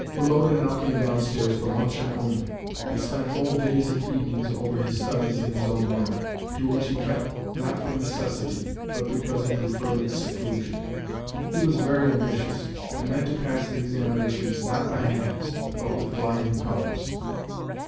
Woloda now came downstairs for luncheon only, and spent whole days and evenings over his studies in his own room—to which he kept, not from necessity, but because he preferred its seclusion. He was very ambitious, and meant to pass the examinations, not by halves, but with flying colours.